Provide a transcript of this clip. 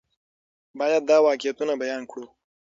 باید دا واقعیتونه بیان کړو.